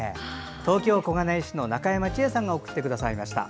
東京・小金井市の中山智江さんが送ってくださいました。